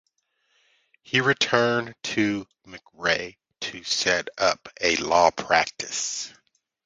He returned to McRae to set up a law practice.